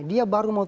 dia baru mau turun